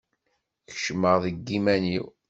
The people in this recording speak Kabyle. Kecmeɣ deg iman-iw.